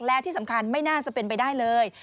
และที่สำคัญไม่น่าจะเป็นไปได้เลย